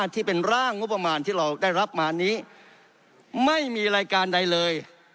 ที่เป็นร่างงบประมาณที่เราได้รับมานี้ไม่มีรายการใดเลย